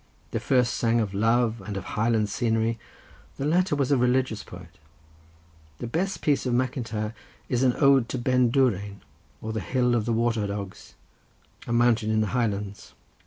The first sang of love and of Highland scenery; the latter was a religious poet. The best piece of Macintyre is an ode to Ben Dourain, or the Hill of the Water dogs—a mountain in the Highlands.